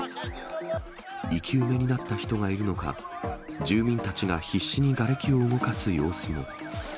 生き埋めになった人がいるのか、住民たちが必死にがれきを動かす様子も。